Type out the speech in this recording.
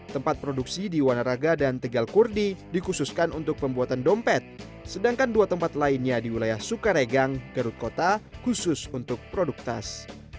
tempat produksi di wanaraga dan tegal kurdi dikhususkan untuk pembuatan dompet sedangkan dua tempat lainnya di wilayah sukaregang garut kota khusus untuk produk tas